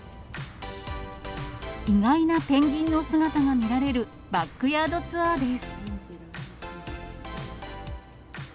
意外なペンギンの姿が見られるバックヤードツアーです。